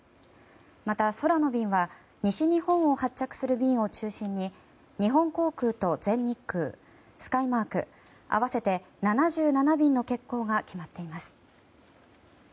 また、空の便は西日本を発着する便を中心に日本航空と全日空スカイマーク合わせて７７便の欠航が決まっています。